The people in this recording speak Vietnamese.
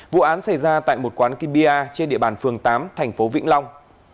vụ án xảy ra tại một quán kabia trên địa bàn phường tám thành phố vĩnh long